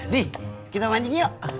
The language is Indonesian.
dih kita mancing yuk